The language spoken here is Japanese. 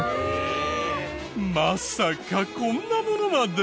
まさかこんなものまで！？